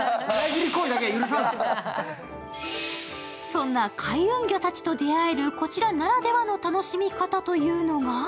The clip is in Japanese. そんな開運魚たちと出会えるこちらならではの楽しみとは？